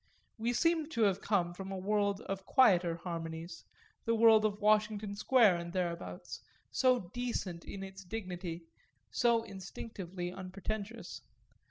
We seemed to have come up from a world of quieter harmonies, the world of Washington Square and thereabouts, so decent in its dignity, so instinctively unpretentious.